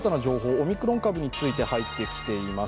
オミクロン株について入ってきています。